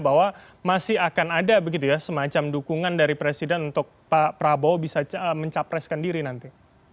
bahwa masih akan ada begitu ya semacam dukungan dari presiden untuk pak prabowo bisa mencapreskan diri nanti